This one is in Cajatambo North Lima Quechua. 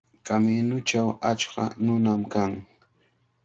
Kamiñuchaw achka nunam kan.